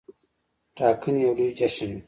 ټاکنې یو لوی جشن وي.